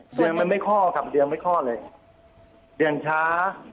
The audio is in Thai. เดินไม่ค่อครับเดินไม่ค่อเลยเดินช้า